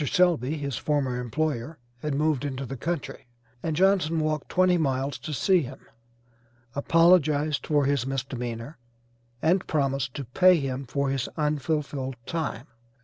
Selby, his former employer, had moved into the country, and Johnson walked twenty miles to see him, apologized for his misdemeanor and promised to pay him for his unfulfilled time.